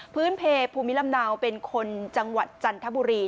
เพลภูมิลำเนาเป็นคนจังหวัดจันทบุรี